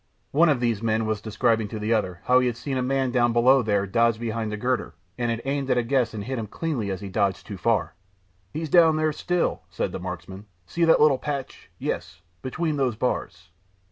One of these men was describing to the other how he had seen a man down below there dodge behind a girder, and had aimed at a guess and hit him cleanly as he dodged too far. "He's down there still," said the marksman. "See that little patch. Yes. Between those bars."